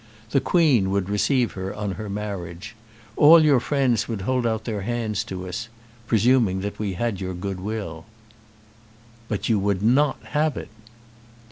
The Queen would receive her on her marriage. All your friends would hold out their hands to us, presuming that we had your goodwill." "But you would not have it."